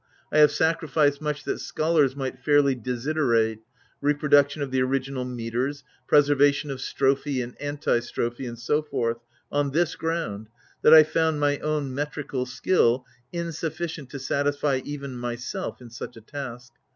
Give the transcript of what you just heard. I have sacrificed much that scholars might fairly desiderate — reproduction of the original metres, preservation of strophe and antistrophe and so forth — on this ground, that I found my own metrical skill insufficient to satisfy even myself, in such a task.